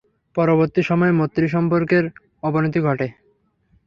পরবর্তী সময়ে মৈত্রী সম্পর্কের অবনতি ঘটে।